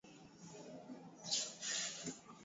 Anazala batoto ba wili mwanamuke na mwanume